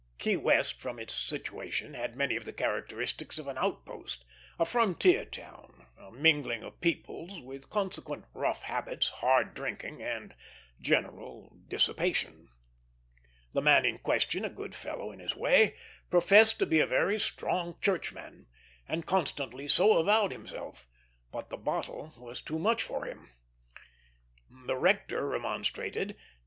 Key West, from its situation, had many of the characteristics of an outpost, a frontier town, a mingling of peoples, with consequent rough habits, hard drinking, and general dissipation. The man in question, a good fellow in his way, professed to be a very strong churchman, and constantly so avowed himself; but the bottle was too much for him. The rector remonstrated.